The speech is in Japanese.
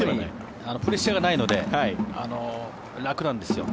プレッシャーがないので楽なんですよ。